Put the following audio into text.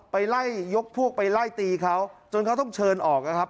ไปไล่ยกพวกไปไล่ตีเขาจนเขาต้องเชิญออกนะครับ